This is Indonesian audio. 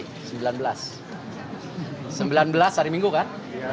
sembilan belas hari minggu kan